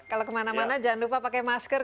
kalau kemana mana jangan lupa pakai masker